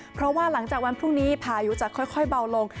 เพราะว่าหลังจากวันพรุ่งนี้พายุจะค่อยเบาลง